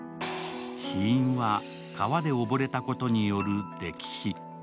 死因は川で溺れたことによる溺死。